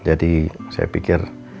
jadi saya pikir